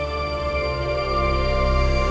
hanya ada duit